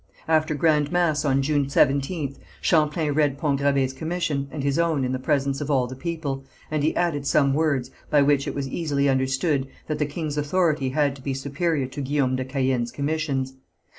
After grand mass on June 17th Champlain read Pont Gravé's commission and his own in the presence of all the people, and he added some words, by which it was easily understood that the king's authority had to be superior to Guillaume de Caën's commissions.